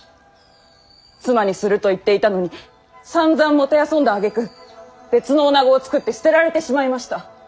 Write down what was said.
妻にすると言っていたのにさんざん弄んだあげく別の女子を作って捨てられてしまいました。